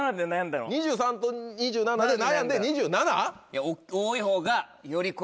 ２３と２７で悩んで２７？